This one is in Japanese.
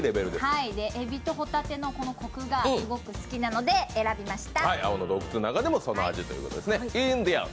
海老と帆立のコクがすごく好きなので選びました。